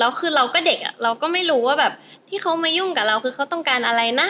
แล้วคือเราก็เด็กเราก็ไม่รู้ว่าแบบที่เขามายุ่งกับเราคือเขาต้องการอะไรนะ